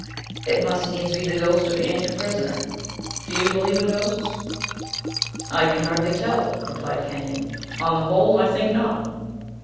It must needs be the ghost of the ancient prisoner. Do you believe in ghosts?" "I can hardly tell," replied Kenyon; "on the whole, I think not."